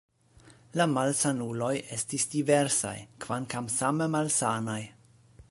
La malsanuloj estis diversaj, kvankam same malsanaj.